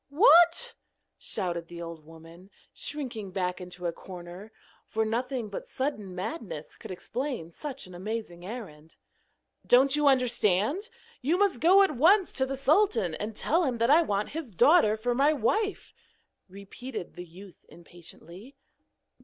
'WHAT?' shouted the old woman, shrinking back into a corner, for nothing but sudden madness could explain such an amazing errand. 'Don't you understand? You must go at once to the sultan and tell him that I want his daughter for my wife,' repeated the youth impatiently.